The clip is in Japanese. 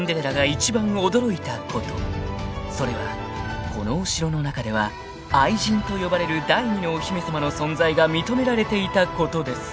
［それはこのお城の中では「愛人」と呼ばれる第二のお姫様の存在が認められていたことです］